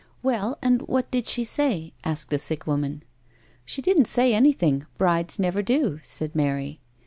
" Well, and what did she say ?" asked the sick woman. "She didn't say anything. Brides never do," said Mary.